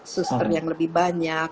suster yang lebih banyak